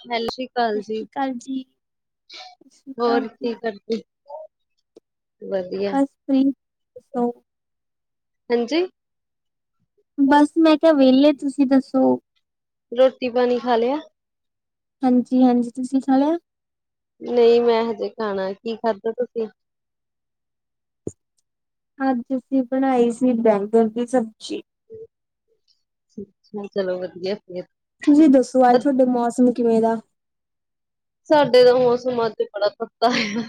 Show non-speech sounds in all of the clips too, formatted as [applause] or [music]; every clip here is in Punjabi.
ਸਤਿ ਸ੍ਰੀ ਸਤਿ ਅਕਾਲ ਜੀ, ਸ਼੍ਰੀ ਅਕਾਲ ਜੀ, ਸਤਿ ਸ਼੍ਰੀ ਅਕਾਲ ਹੋਰ ਜੀ, ਕੀ ਕਰਦੇ। ਵਧੀਆ, ਬਸ ਫਰੀ ਦੱਸੋ ਹਾਂਜੀ, ਬਸ ਮੈਂ ਕਿਹਾ ਵਿਹਲੇ। ਤੁਸੀਂ ਦੱਸੋ ਰੋਟੀ ਪਾਣੀ ਖਾ ਲਿਆ। ਹਾਂਜੀ- ਹਾਂਜੀ, ਤੁਸੀਂ ਖਾ ਲਿਆ। ਨਹੀਂ ਮੈਂ ਹਜੇ ਖਾਣਾ, ਕੀ ਖਾਧਾ ਤੁਸੀਂ? ਅੱਜ ਅਸੀਂ ਬਣਾਈ ਸੀ ਬੈਂਗਨ ਦੀ ਸਬਜ਼ੀ। ਚਲੋ ਵਧੀਆ। ਫਿਰ, ਤੁਸੀਂ ਦੱਸੋ ਅੱਜ ਤੁਹਾਡੇ ਮੌਸਮ ਕਿਵੇੇਂ ਦਾ। ਸਾਡੇ ਤਾਂ ਮੌਸਮ ਅੱਜ ਬੜਾ ਤੱਤਾ ਹੈ।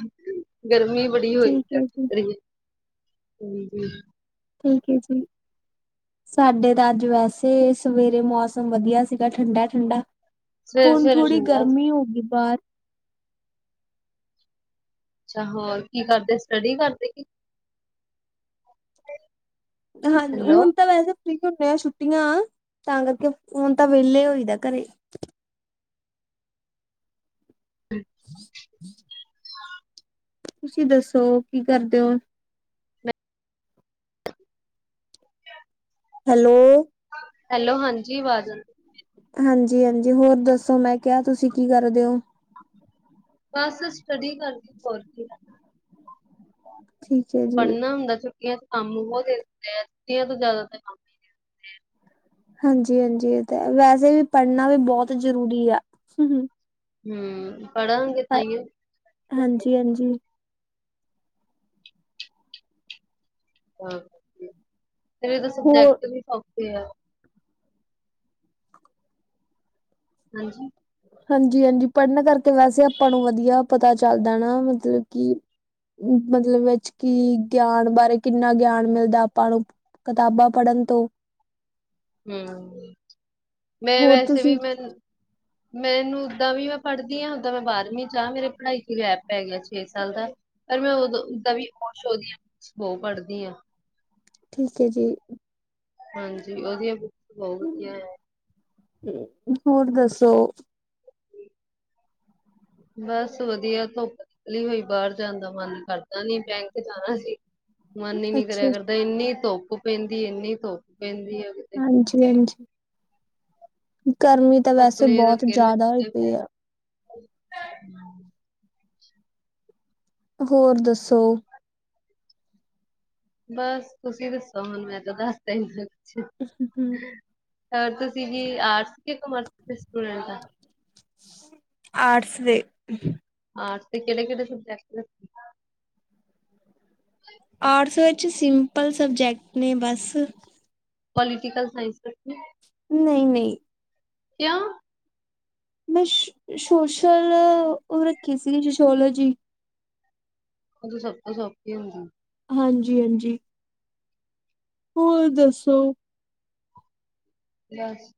ਗਰਮੀ ਬੜੀ ਹੋਈ ਠੀਕ ਫਿਰਦੀ ਹੈ ਕੀ ਜੀ, ਕਰੀਏ ਹਾਂਜੀ। ਠੀਕ ਹੈ ਜੀ ਸਾਡੇ ਤਾਂ ਅੱਜ ਵੈਸੇ ਸਵੇਰੇ ਮੌਸਮ ਵਧੀਆ ਸੀਗਾ ਠੰਡਾ ਠੰਡਾ ਸਵੇਰੇ ਹੁਣ ਸਵੇਰੇ ਥੋੜ੍ਹੀ ਠੰਡਾ ਗਰਮੀ ਹੋ ਗਈ ਬਾਹਰ ਅੱਛਾ ਹੋਰ ਕੀ ਕਰਦੇ ਸਟੱਡੀ ਕਰਦੇ ਕੀ ਹਾਂਜੀ ਹੈਲੋ, ਹੁਣ ਤਾਂ ਵੈਸੇ ਫ੍ਰੀ ਹੁੰਦੇ ਆ ਛੁੱਟੀਆਂ ਤਾਂ ਕਰਕੇ ਹੁਣ ਤਾਂ ਵੇਹਲੇ ਹੋਈ ਦਾ ਘਰੇ [unintelligible] ਤੁਸੀਂ ਦੱਸੋ ਕੀ ਕਰਦੇ? [inaudible] ਹੈਲੋ ਹੈਲੋ ਹਾਂਜੀ ਆਵਾਜ਼ ਆਉਂਦੀ ਹਾਂਜੀ ਹਾਂਜੀ ਹੋਰ ਦੱਸੋ ਮੈਂ ਕਿਹਾ ਤੁਸੀਂ ਕੀ ਕਰਦੇ ਓ ਬਸ ਸਟੱਡੀ ਕਰਕੇ ਹੋਰ ਕੀ ਕਰ ਠੀਕ ਹੈ ਜੀ ਪੜ੍ਹਨਾ ਹੁੰਦਾ ਸੀ। ਛੁੱਟੀਆਂ ਚ ਕੰਮ ਬਹੁਤ ਦੇ ਦਿੰਦੇ ਛੁੱਟੀਆਂ ਤੋਂ ਜਿਆਦਾ ਤਾਂ ਕੰਮ ਦੇ ਦਿੰਦੇ ਆ ਹਾਂਜੀ ਹਾਂਜੀ ਇਹ ਤਾਂ ਵੈਸੇ ਵੀ ਪੜ੍ਹਨਾ ਵੀ ਬਹੁਤ ਜ਼ਰੂਰੀ ਆ ਹੂੰ ਪੜਾਂਗੇ ਤਾਂਹੀਓ ਹਾਂਜੀ ਹਾਂਜੀ ਹਾਂ [unintelligible] ਹੋਰ ਸਬਜੈਕਟ ਵੀ ਸੋ ਤੇ ਆ ਹਾਂਜੀ ਹਾਂਜੀ ਹਾਂਜੀ ਪੜ੍ਹਨ ਕਰਕੇ ਵੈਸੇ ਆਪਾਂ ਨੂੰ ਵਧੀਆ ਪਤਾ ਚੱਲਦਾ ਨਾ ਮਤਲਬ ਕਿ ਮਤਲਬ ਵਿੱਚ ਕੀ ਗਿਆਨ ਬਾਰੇ ਕਿੰਨਾ ਗਿਆਨ ਮਿਲਦਾ ਆਪਾਂ ਨੂੰ ਕਿਤਾਬਾਂ ਪੜ੍ਹਨ ਤੋਂ ਹੂੰ ਮੈਂ ਹੋਰ ਵੈਸੇ ਵੀ ਤੁਸੀਂ ਮੈਂ ਮੈਨੂੰ ਓਦਾਂ ਵੀ ਮੈਂ ਪੜ੍ਹਦੀ ਹਾਂ ਓਦਾਂ ਮੈਂ ਬਾਰਵੀਂ ਚ ਆ ਮੇਰੇ ਪੜ੍ਹਾਈ ਚ ਗੈਪ ਪੈ ਗਿਆ ਛੇ ਸਾਲ ਦਾ ਪਰ ਮੈਂ ਉਦੋਂ ਓਦਾਂ ਵੀ [unintelligible] ਬਹੁਤ ਪੜ੍ਹਦੀ ਹਾਂ। ਠੀਕ ਹੈ ਜੀ। ਹਾਂਜੀ ਉਹ ਦੀਆ ਬਹੁ ਵਧੀਆ ਏ ਹੋਰ ਦੱਸੋ? ਬਸ ਵਧੀਆ ਧੁੱਪ ਨਿਕਲੀ ਹੋਈ ਬਾਹਰ ਜਾਣ ਦਾ ਮਨ ਕਰਦਾ ਨੀ ਬੈਂਕ ਜਾਣਾ ਸੀ। ਮਨ ਹੀ ਨਹੀਂ ਅੱਛਾ ਕਰਿਆ ਕਰਦਾ ਏਨੀ ਧੁੱਪ ਧੁੱਪ ਪੈਂਦੀ ਇੰਨੀ ਧੁੱਪ ਪੈਂਦੀ। ਆ ਕਿਤੇ। ਹਾਂਜੀ ਹਾਂਜੀ ਗਰਮੀ ਤਾਂ ਧੁੱਪ ਵੈਸੇ ਨੇ ਤਾਂ ਬਹੁਤ ਕਿੱਲ ਜ਼ਿਆਦਾ ਹੋਈ ਕੱਢੇ ਪਈ ਪਏ ਆ [inaudible] ਹੋਰ ਦੱਸੋ ਬਸ ਤੁਸੀਂ ਦੱਸੋ ਹੁਣ ਮੈਂ ਤਾਂ ਦਸਤਾ ਏ ਹਮ ਹੋਰ ਤੁਸੀ ਵੀ ਆਰਟਸ ਕੇ ਕਮਰਸ ਤੇ ਸਟੂਡੈਂਟ ਆ [inaudible] ਆਰਟ੍ਸ ਦੇ ਆਰਟ੍ਸ ਤੇ ਕਿਹੜੇ ਕਿਹੜੇ ਸਬ ਆਰਟ੍ਸ ਵਿੱਚ ਕੁਛ ਸਿੰਪਲ ਸਬਜੈਕਟ ਨੇ ਬਸ ਪੋਲੀਟੀਕਲ ਸਾਇੰਸ ਵਰਗੇ। ਨਹੀਂ ਨਹੀਂ ਕੇਆ ਮੈਂ ਸ਼ੋਸ਼ਲ, ਉਹ ਰੱਖੀ ਸੀਗੀ ਸੋਸ਼ੋਲੋਜੀ ਔ ਤੇ ਸਭ ਤੋਂ ਸੌਖੀ ਹੁੰਦੀ ਹਾਂਜੀ ਹਾਂਜੀ ਹੋਰ ਦੱਸੋ ਲਿਆ ਸੀ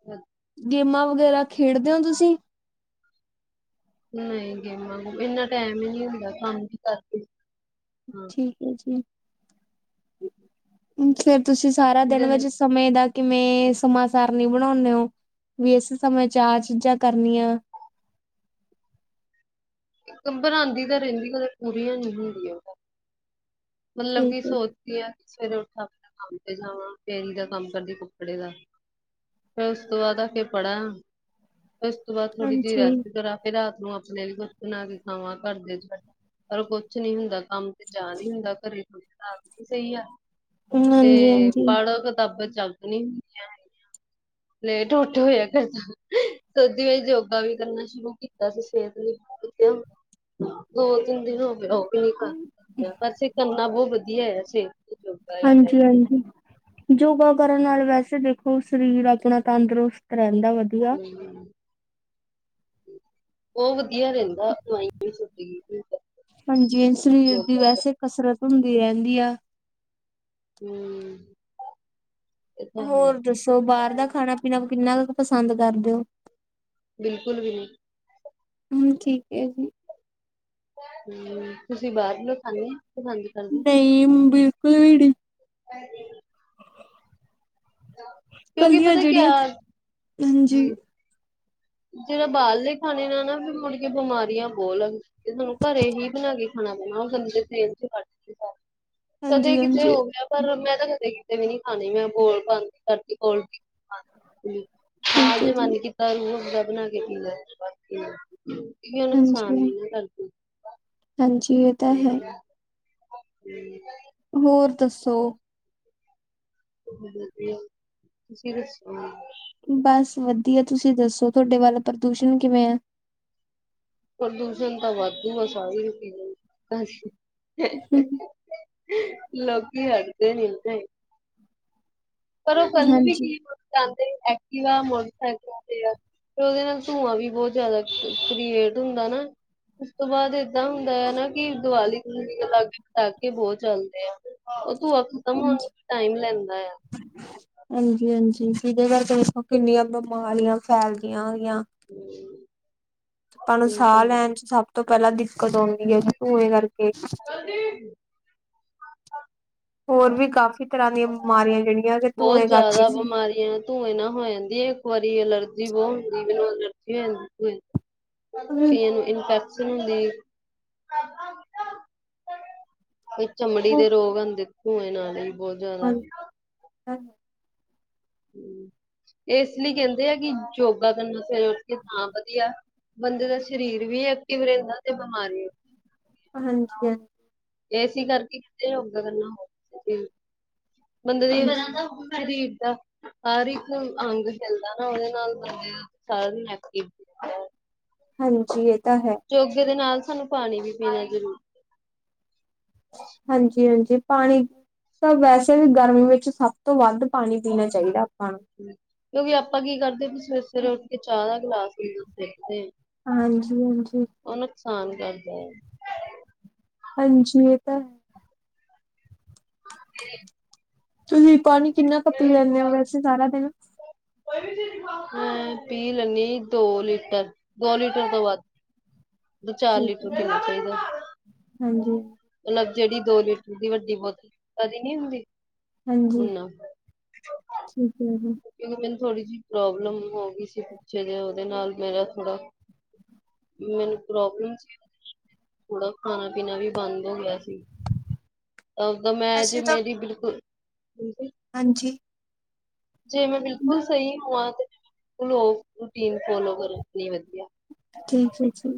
ਗੇਮਾਂ ਵਗੈਰਾ ਖੇਡਦੇ ਹੋ ਤੁਸੀਂ। ਨਹੀਂ ਗੇਮਾਂ ਗ ਇੰਨਾ ਟਾਈਮ ਹੀ ਨਹੀਂ ਹੁੰਦਾ ਕੰਮ ਦੇ ਕਰਕੇ। ਹਾਂ ਠੀਕ ਹੈ ਜੀ। ਹ ਫੇ [inaudible] ਤੁਸੀਂ ਸਾਰਾ ਦਿਨ ਵਿੱਚ ਸਮੇਂ ਦਾ ਕਿਵੇਂ ਸਮਾਸਰਨੀ ਬਣਾਉਂਦੇ ਹੋ ਵੀ ਇਸ ਸਮੇਂ ਚਾਰ ਚੀਜ਼ਾਂ ਕਰਨੀਆਂ। ਬਨੁਦੀਆ ਤਾਂ ਰਹਿੰਦੀ ਕ ਪੂਰੀਆਂ ਨਹੀਂ ਹੁੰਦੀਆਂ ਉਹ। ਮਤਲਬ ਠੀਕ ਕੀ ਹੈ ਸੋਚਦੀ ਆ ਕਿ ਸਵੇਰੇ ਉੱਠ ਕਮਤੇ ਜਾਵਾਂ ਫੇਰੀ ਦਾ ਕੰਮ ਕਰਦੀ ਕੁਪੜੇ ਦਾ ਫਿਰ ਉਸ ਤੋਂ ਬਾਅਦ ਆ ਕੇ ਪੜਾਅ। ਫੇਰ ਉਸ ਤੋ ਬਾਅਦ ਥੋੜੀ ਜਿਹੀ ਹਾਂਜੀ ਰਹਿੰਦੀ ਕਰ ਫਿਰ ਰਾਤ ਨੂੰ ਬਿਲਕੁਲ ਉਹਨਾਂ ਦੀ ਥਾਵਾਂ ਘਰਦੇ--ਪਰ ਕੁਛ ਨੀ ਹੁੰਦਾ ਕੰਮ। ਤੇ ਜਾ ਨ ਹੀ ਹੁੰਦਾ ਘਰੇ ਤੋਂ। ਹਾਂ ਸਹੀ ਆ। ਹਾਂਜੀ ਤੇ ਹਾਂਜੀ ਪੜੋ ਕਿਤਾਬਾਂ ਚ। ਜਲ ਨ ਹੁੰਦੀਆਂ ਹੈਗੀਆਂ [inaudible] ਲੇਟ ਉੱਠ ਹੋਇਆ ਕਰਦਾ ਸ ਕਰਦੀ ਆ ਯੋਗਾ ਵੀ ਕਰਨਾ ਸ਼ੁਰੂ ਕੀਤਾ ਸੀ ਸਿਹਤ ਲਈ ਦੋ ਤਿੰਨ ਦਿਨ ਹੋ ਗਏ ਉਹ ਪਰਸੀਂ ਕਰਨਾ ਬਹੁਤ ਵਧੀਆ ਹੈ ਵੈਸੇ। ਹਾਂਜੀ- ਹਾਂਜੀ ਯੋਗਾ ਕਰਨ ਨਾਲ ਵੈਸੇ ਦੇਖੋ ਉਹ ਸਰੀਰ ਆਪਣਾ ਤੰਦਰੁਸਤ ਰਹਿੰਦਾ ਵਧੀਆ। ਉਹ ਵਧੀਆ ਰਹਿੰਦਾ [inaudible] ਹਾਂਜੀ ਸਰੀਰ ਦੀ ਯੋਗਾ ਵੈਸੇ ਕਸਰਤ ਹੁੰਦੀ ਰਹਿੰਦੀ ਆ। ਹਮ ਹੋਰ ਦੱਸੋ ਬਾਹਰ ਦਾ ਖਾਣਾ ਪੀਣਾ ਕਿੰਨਾ ਕੁ ਪਸੰਦ ਕਰ ਦਿਓ ਬਿਲਕੁਲ ਵੀ ਨਹੀਂ। ਹ ਠੀਕ ਹੈ ਜੀ। ਹਮ ਤੁਸੀਂ ਬਾਦ ਮੇ ਖਾਂਨੇ ਹੋ। ਨਹੀਂ ਬਿਲਕੁਲ ਵੀ ਨਹੀਂ। ਹਾਂਜੀ [inaudible] ਕਿਉਂਕਿ ਕੱਲੀਆਂ ਪਤਾ ਜਿਹੜੀਆਂ- ਕਿਆ ਹਾਂਜੀ ਜਿਹੜਾ ਬਾਹਰਲੇ ਖਾਣੇ ਨਾਲ ਨਾ ਨਾ ਮੁੜਕੇ ਬਿਮਾਰੀਆਂ ਬਹੁ ਲਗਦੀ। ਤੇ ਤੁਾਨੂੰ ਘਰੇ ਹੀ ਬਣਾ ਗਿ। ਖਾਣਾ ਬਣਾ ਦਿੰਦੇ [inaudible] ਕਦੇ ਹਾਂਜੀ ਕਿਤੇ ਹਾਂਜੀ ਹੋ ਗਿਆ ਪਰ ਮੈਂ ਤਾਂ ਕਦੇ ਤੇ ਵੀ ਨੀ ਖਾਣੀ ਮੈਂ ਬੋਲ ਬੰ ਕਰਦੀ ਬੋਲ ਤੀ ਠੀਕ ਹੈ ਹਾਂਜੀ ਜੀ ਮਨ ਕੀਤਾ ਰੂਹ ਦਬਨਾ ਕੇ ਕੀਦਾ ਨੁਕਸਾਨ ਹਾਂਜੀ ਨੀ ਨਾ ਕਰਦੀ ਹਾਂਜੀ, ਇਹ ਤਾਂ ਹੈ। ਔ ਗ੍ਰਵੀ ਵਾਲੀ। ਹੋਰ, ਦੱਸੋ। ਵਧੀਆ [inaudible] ਬਸ ਵਧੀਆ ਤੁਸੀਂ ਤੁਸੀਂ ਦੱਸੋ ਤੁਹਾਡੇ ਵੱਲ ਪ੍ਰਦੂਸ਼ਣ ਕਿਵੇਂ ਐ ਪ੍ਰਦੂਸ਼ਣ ਤਾਂ ਵਾਧੂ ਆ ਸਾਰੀ ਰ ਹਾਂਜੀ [unintelligible] ਲੋਕੀ ਹਟਦੇ ਨੀ ਹੁਦੇ ਪਰ ਔ ਸਾਨੂੰ ਵੀ ਹਾਂਜੀ ਕੀ ਪਹੁੰਚਾਂਦੇ। ਐਕਟਿਵਾ ਮੋਟਰਸਾਈਕਲ ਤੇ ਆ ਫ ਉਹਦੇ ਨਾਲ ਧੂੰਆਂ ਵੀ ਬਹੁਤ ਜਿਆਦਾ ਕ੍ਰੀਏਟ ਹੁੰਦਾ ਨਾ ਉਸ ਤੋਂ ਬਾਅਦ ਏਦਾਂ ਹੁੰਦਾ ਆ ਨਾ ਕਿ ਦੀਵਾਲੀ ਦਵਉਲੀ ਦੇ ਲਾਗੇ ਪਟਾਕੇ ਬਹੁਤ ਚੱਲਦੇ ਆ ਧੂੰਆ ਖਤਮ ਹੋਣ ਟਾਈਮ ਲੈਂਦਾ ਆ ਹਾਂਜੀ, ਹਾਂਜੀ। ਜਿਦੇ ਕਰਾਰੇ ਦੱਸੋ ਕਿੰਨੀਆਂ ਬਿਮਾਰੀਆਂ ਫੈਲਦੀਆਂ। ਹੈਗੀਆਂ ਹੂ ਆਪਾਂ ਨੂੰ ਸਾਹ ਲੈਣ ਚ ਸਭ ਤੋਂ ਪਹਿਲਾਂ ਦਿੱਕਤ ਆਉਂਦੀ ਹੈ ਧੂੰਏ ਕਰਕੇ ਕਲਦੀ ਹੋਰ ਵੀ ਕਾਫ਼ੀ ਤਰ੍ਹਾਂ ਦੀਆਂ ਬਿਮਾਰੀਆਂ ਜਿਹੜੀਆਂ ਕਿ ਧੂੰਏ ਬਹੁਤ ਕਰ ਕੇ ਜ਼ਿਆਦਾ ਬਿਮਾਰੀਆਂ ਬਹੁ ਜੀ- ਕਈਆਂ ਨੂੰ ਇੰਪੈਕਟ [unintelligible] ਚਮੜੀ ਦੇ ਰੋਗ ਹੁੰਦੇ ਹੋਏ ਨਾਲੇ ਬਹੁਤ ਜ਼ਿਆਦਾ ਹੈਲੋ ਹਮਮ, ਇਸ ਲਈ ਕਹਿੰਦੇ ਆ ਕਿ ਯੋਗਾ ਕਰਨਾ ਸਵੇਰੇ ਉਠ ਕੇ ਤਾਂ ਹ ਵਧੀਆ, ਬੰਦੇ ਦਾ ਸਰੀਰ ਵੀ ਐਕਟਿਵ ਰਹਿੰਦਾ ਤੇ ਬਿਮਾਰੀ ਹਾਂਜੀ- ਹਾਂਜੀ ਏਸੀ ਕਰਕੇ ਕਹਿੰਦੇ ਯੋਗਾ ਕਰਨਾ ਹੋਵੇ ਬੰਦੇ ਦੀ ਸਰੀਰ ਦਾ ਹਰ ਇੱਕ ਅੰਗ ਹਿਲਦਾ ਨਾ ਉਹਦੇ ਨਾਲ ਬੰਦੇ ਦਾ ਸਾਰਾ ਦਿਨ ਐਕਟਿਵ ਰਹਿੰਦਾ ਹਾਂਜੀ, ਇਹ ਤਾਂ ਹੈ। ਯੋਗੇ ਦੇ ਨਾਲ ਸਾਨੂੰ ਪਾਣੀ ਵੀ ਪੀਣਾ ਜ਼ਰੂਰ ਹਾਂਜੀ -ਹਾਂਜੀ, ਪਾਣੀ ਤਾਂ ਵੈਸੇ ਵੀ ਗਰਮੀ ਵਿੱਚ ਸਭ ਤੋਂ ਵੱਧ ਪਾਣੀ ਪੀਣਾ ਚਾਹੀਦਾ ਆਪਾਂ ਨੂੰ ਕਿਉਂਕਿ ਆਪਾਂ ਕੀ ਕਰਦੇ ਵੀ ਸਵੇਰੇ ਫਿਰ ਉੱਠ ਕੇ ਚਾਹ ਦਾ ਗਲਾਸ ਵੀ ਦੇਖਦੇ। ਹਾਂਜੀ -ਹਾਂਜੀ ਸਾਨ ਕਰਦਾ ਹੈ। ਹਾਂਜੀ, ਇਹ ਤਾਂ ਹੈ। ਹਾਂ [inaudible] ਤੁਸੀਂ ਪਾਣੀ ਕਿੰਨਾ ਕ ਪੀ ਲੈਂਦੇ ਹੋ ਵੈਸੀੇ ਸਾਰਾ ਦੇਣਾ ਹਮ, ਪੀ ਲੈਂਨੀ ਦੋ ਲੀਟਰ, ਦੋ ਲੀਟਰ ਤੋਂ ਵੱਧ ਦੋ -ਚਾਰ ਠੀਕ ਲਈ ਹੈ ਪੀਣਾ ਚਾਹੀਦਾ। ਹਾਂਜੀ ਅਲੱਗ ਜਿਹੜੀ ਦੋ ਲੀਟਰ ਦੀ ਵੱਡੀ ਬੋਤਲ ਲਿਮਕਾ ਦੀ ਨੀ ਹੁੰਦੀ। ਹਾਂਜੀ, ਠੀਕ ਹੈ। ਜੀ ਤੁਹੀ ਮੈਂਨੂੰ [inaudible] ਥੋੜ੍ਹੀ ਜਿਹੀ ਪ੍ਰੋਬਲਮ ਹੋ ਗਈ ਸੀ। ਪਿੱਛੇ ਜਿਹੇ ਉਹਦੇ ਨਾਲ ਮੇਰਾ ਥੋੜਾ, ਮੈਨੂੰ ਪ੍ਰੋਬਲਮ ਸੀ ਥੋੜਾ ਖਾਣਾ -ਪੀਣਾ ਵੀ ਬੰਦ ਹੋ ਗਿਆ ਸੀ। ਤ ਦਾ ਮੈਂ ਅਜੇ ਵੈਸੇ ਤਾਂ ਮੇਰੀ ਬਿਲਕੁਲ ਹਾਂਜੀ। ਜੇ ਮੈਂ ਬਿਲਕੁਲ ਸਹੀ ਹੋਵਾਂ ਲੋਕ ਰੂਟੀਨ ਫੋਲੋ ਕਰਨ ਨ ਵਧੀਆ। ਠੀਕ ਹੈ ਜੀ,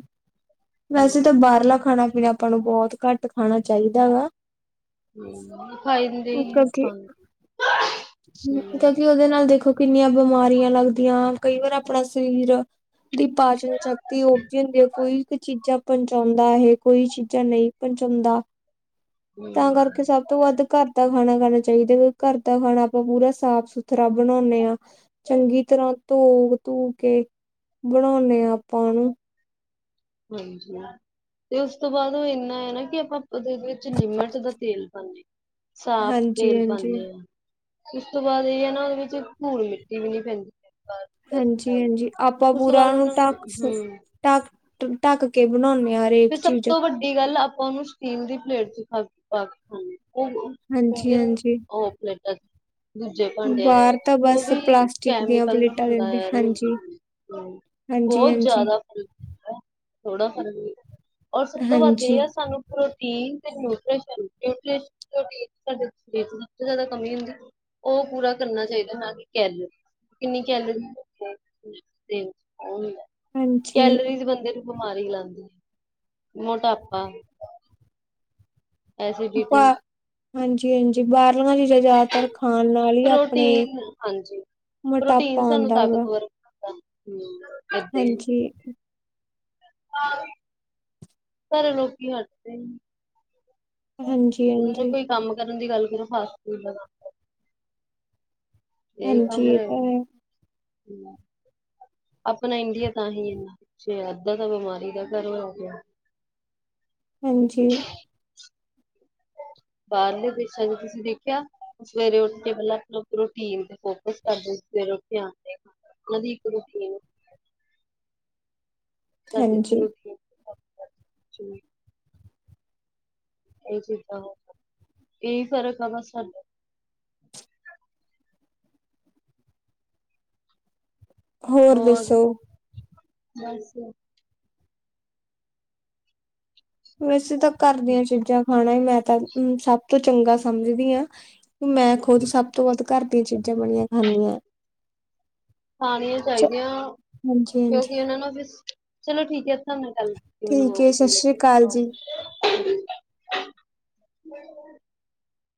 ਵੈਸੇ ਤੇ ਹੂੰ ਬਾਹਰਲਾ ਖਾਣਾ ਆਪਾਂ ਨੂੰ ਬਹੁਤ ਘੱਟ ਖਾਣਾ ਚਾਹੀਦਾ ਵਾਂ ਹ ਕਿਉਂਕਿ ਉਹਦੇ ਨਾਲ ਦੇਖੋ ਕਿੰਨੀਆਂ ਬਿਮਾਰੀਆਂ ਲੱਗਦੀਆਂ ਕਈ ਵਾਰ ਆਪਣਾ ਸਰੀਰ ਦੀ ਪਾਚਨ ਸ਼ਕਤੀ ਉਪਜ ਹੁੰਦੀ ਆ ਕੋਈ ਚੀਜ਼ਾਂ ਪਹੁੰਚਾਉਂਦਾ ਹੈ ਕੋਈ ਚੀਜ਼ਾਂ ਨਹੀਂ ਪਹੁੰਚਾਉਂਦਾ ਤਾਂ ਹੂੰ-ਹੂੰ, ਕਰਕੇ ਸਭ ਤੋਂ ਵੱਧ ਘਰ ਦਾ ਖਾਣਾ ਖਾਣਾ ਚਾਹੀਦਾ ਘਰ ਦਾ ਖਾਣਾ ਆਪਾਂ ਪੂਰਾ ਸਾਫ਼ ਸੁਥਰਾ ਬਣਾਉਂਦੇ ਹਾਂ ਚੰਗੀ ਤਰ੍ਹਾਂ ਧੋ ਧੂ ਕੇ ਬਣਾਉਂਦੇ ਹਾਂ ਆਪਾਂ ਉਹਨੂੰ। ਹਾਂਜੀ ਤੇ ਉਸ ਤੋਂ ਬਾਅਦ ਉਹ ਇੰਨਾ ਹੈ ਨਾ ਕਿ ਆਪਾਂ ਉਹਦੇ ਵਿੱਚ ਲਿਮਟ ਦਾ ਤੇਲ ਪਾਉਦੇ ਸਾਫ ਹਾਂਜੀ ਤੇਲ ਹਾਂਜੀ ਪਾਉਦੇ ਹ ਇਸ ਤੋਂ ਬਾਅਦ ਇਹ ਹੈ ਨਾ ਉਹਦੇ ਵਿੱਚ ਧੂੜ ਮਿੱਟੀ ਵੀ ਨ ਪੈਂਦੀ ਹਾਂਜੀ ਹਾਂਜੀ ਆਪਾਂ ਤੋਂ ਪੂਰਾ ਬਾਅਦ ਉਹਨਾਂ ਉਸ ਨੂੰ ਢੱਕ ਕੇ ਹੂੰ ਤਾ ਢੱਕ ਕੇ ਬਣਾਉਂਦੇ ਤੇ ਸਭ ਤੋਂ ਵੱਡੀ ਗੱਲ ਆਪਾਂ ਉਹਨੂੰ ਸਟੀਲ ਦੀ ਪਲੇਟ ਚ ਹ ਪਾਕ ਹਾਂ ਹਾਂਜੀ ਹਾਂਜੀ ਉਹ ਪਲੇਟਾਂ ਦੂਜੇ ਭਾਂਡਿਆਂ ਦੇ ਬਾਹਰ ਤਾਂ ਉਹ ਬਸ ਵੀ ਪਲਾਸਟਿਕ ਦੀਆਂ ਕੈਮੀਕਲ ਨੂੰ ਪਲੇਟਾਂ ਹੁੰਦਾ ਦਿੰਦੇ ਯਾਰ ਹਾਂਜੀ ਹਾਂਜੀ ਬਹੁਤ ਹਾਂਜੀ ਜ਼ਿਆਦਾ ਫਰਕਦਾ ਥੋੜਾ ਫਰਕ ਹੋ ਔਰ ਸਭ ਤੋਂ ਵੱਧ ਇਹ ਹਾਂਜੀ ਆ ਸਾਨੂੰ ਪ੍ਰੋਟੀਨ ਸਾਡੇ ਸਰੀ ਜ਼ਿਆਦਾ ਕਮੀ ਹੁੰਦੀ ਉਹ ਪੂਰਾ ਕਰਨਾ ਚਾਹੀਦਾ ਨਾ ਕਿ ਕੈਰੀ ਕਿੰਨੀ ਕੈਲਰੀ ਹਾਂਜੀ ਕੈਲੋਰੀਜ਼ ਬੰਦੇ ਨੂੰ ਮਾਰੀ ਲਾਦੀ ਆ ਮੋਟਾਪਾ ਐਸਸੀਡੀਟੀ ਬਾ ਹਾਂਜੀ ਹਾਂਜੀ ਬਾਹਰਲਾਂ ਚ ਜ਼ਿਆਦਾਤਰ ਖਾਣ ਨਾਲ ਹੀ ਆਪਣੇ ਪ੍ਰੋਟੀਨ ਹਾਂਜੀ। ਮੋਟਾਪਾ ਆਉਂਦਾ ਗਾ ਹਮ ਹਾਂਜੀ ਘਰੇ ਲੋਕੀ ਹਟਦੇ ਸੀ ਹਾਂਜੀ ਹਾਂਜੀ ਦੀ ਗੱਲ ਕਰੋ ਫਾਸ ਫੂ ਹਾਂਜੀ, ਇਹ ਤਾਂ ਹੈ। ਆਪਣਾ ਇੰਡੀਆ ਤਾਂ ਹੀ ਐਨਾ ਪਿੱਛੇ ਆ ਅੱਧਾ ਤਾਂ ਬਿਮਾਰੀ ਦਾ ਘਰ ਹੋਇਆ ਪਿਆ। ਹਾਂਜੀ, ਬਾਹਰਲੇ ਦੇਸਾਂ ਚ ਤੁਸੀਂ ਦੇਖਿਆ ਸਵੇਰੇ ਉੱਠ ਕੇ ਮਤਲਬ ਆਪ ਰੂਟੀਨ ਤੇ ਫੋਕਸ ਕਰਦੇ ਸਵੇਰੇ ਉੱਠ ਆਦੇ ਉਹ ਦੀ ਇੱਕ ਰੂਟੀਨ ਕਰਦੀ ਥੇ ਹਾਂਜੀ ਰੋਟੀ ਜੀ, ਇਹ ਚੀਜ਼ਾਂ ਹੋ ਇਹੀ ਫ਼ਰਕ ਆ ਬਸ ਸਾਨੂੰ। ਹੋਰ ਦੱਸੋ ਬਸ ਵੈਸੇ ਤਾਂ ਘਰ ਦੀਆਂ ਚੀਜ਼ਾਂ ਖਾਣਾ ਹੀ ਮੈਂ ਤਾਂ ਸਭ ਤੋਂ ਚੰਗਾ ਸਮਝਦੀ ਹਾਂ। ਮੈਂ ਖੁਦ ਸਭ ਤੋਂ ਵੱਧ ਘਰ ਦੀਆਂ ਚੀਜ਼ਾਂ ਬਣੀਆਂ ਖਾਂਦੀਆਂ। ਖਾਣੀਆਂ ਚਾਹੀਦੀਆਂ, ਹਾਂਜੀ ਹਾਂਜੀ ਕਿਉਂਕਿ ਉਹਨਾਂ ਨਾਲ ਫ਼ਿਸ ਚਲੋ ਠੀਕ ਹੈ। ਤੁਹਾਡੇ ਨਾਲ ਗਲ ਕਰ ਕੇ ਮੈਨੂੰ ਠੀਕ ਹੈ ਬਹੁਤ ਸਤਿ ਸ੍ਰੀ ਅਕਾਲ ਜੀ ਵਧੀਆ ਲੱਗਾ। [unintelligible]